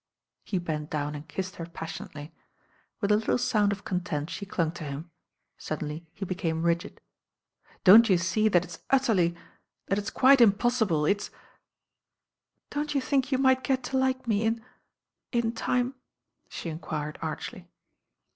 He bent down and kissed her pas sionately. With a little sound of content she clung to him. Suddenly he became rigid. "Don't you see that it's utterly — that it's quite impossible — it's " "Don't you think you might get to like me in — in time," she enquired archly.